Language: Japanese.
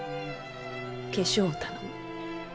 化粧を頼む。